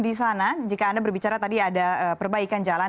di sana jika anda berbicara tadi ada perbaikan jalan